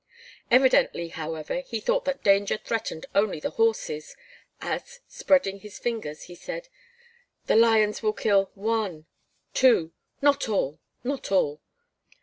Evidently, however, he thought that danger threatened only the horses, as, spreading his fingers, he said: "The lions will kill one, two, not all! not all!"